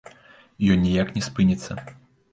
Ён ніяк не спыніцца.